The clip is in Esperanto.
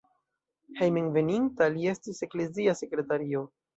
Hejmenveninta li estis eklezia sekretario.